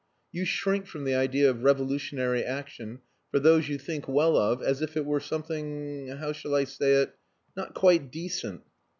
You shrink from the idea of revolutionary action for those you think well of as if it were something how shall I say it not quite decent."